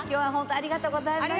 ありがとうございます！